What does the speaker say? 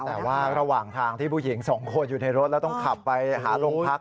แต่ว่าระหว่างทางที่ผู้หญิงสองคนอยู่ในรถแล้วต้องขับไปหาโรงพัก